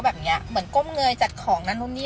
แบบอย่างเงี้ยเหมือนก้มเงยจัดของนั่นนู้นนี่อะไร